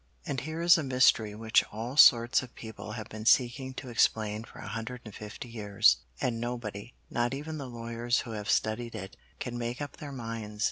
And here is a mystery which all sorts of people have been seeking to explain for a hundred and fifty years, and nobody, not even the lawyers who have studied it, can make up their minds.